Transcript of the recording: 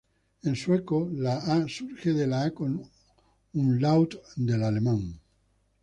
En sueco, la Ä surge de la A con umlaut del alemán.